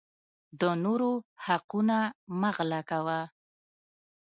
د نورو حقونه مه غلاء کوه